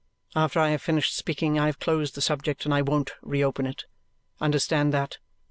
After I have finished speaking I have closed the subject, and I won't re open it. Understand that.